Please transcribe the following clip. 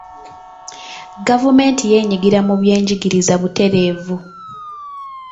Gavumenti y'enyigira mu by'enjigiriza butereevu.